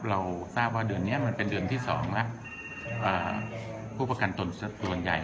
เราทราบว่าเดือนนี้มันเป็นเดือนที่๒แล้วผู้ประกันตนส่วนใหญ่